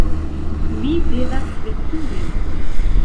Vi devas veturi!